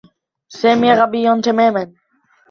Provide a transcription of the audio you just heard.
سامي غبيّ تماما.